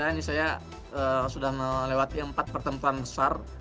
ini saya sudah melewati empat pertempuran besar